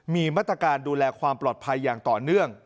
มีมาตรการดูแลความปลอดภัยอย่างต่อเนื่อง